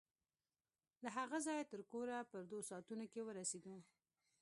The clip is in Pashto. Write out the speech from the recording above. له هغه ځايه تر کوره په دوو ساعتو کښې ورسېدو.